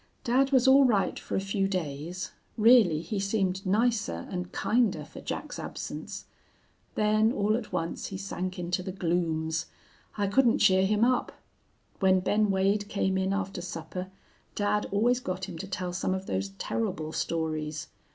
"Dad was all right for a few days. Really, he seemed nicer and kinder for Jack's absence. Then all at once he sank into the glooms. I couldn't cheer him up. When Ben Wade came in after supper dad always got him to tell some of those terrible stories.